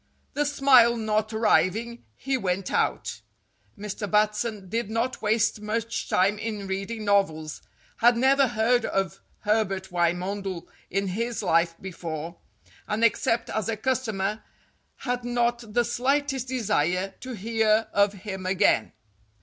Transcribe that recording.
The smile not arriving, he went out. Mr. Batson did not waste much time in reading novels, had never heard of Herbert Wymondel in his life before, and, ONE HOUR OF FAME 183 except as a customer, had not the slightest desire to hear of him again.